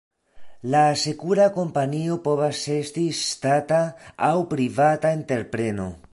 La asekura kompanio povas esti ŝtata aŭ privata entrepreno.